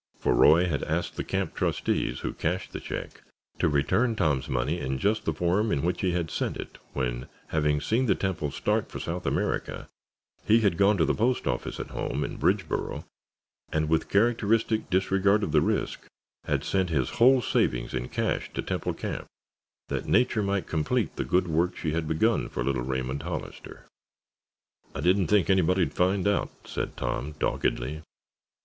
For Roy had asked the camp trustees who cashed the check to return Tom's money in just the form in which he had sent it, when, having seen the Temples start for South America, he had gone to the post office at home in Bridgeboro, and with characteristic disregard of the risk, had sent his whole savings in cash to Temple Camp, that nature might complete the good work she had begun for little Raymond Hollister. "I didn't think anybody'd find out," said Tom doggedly.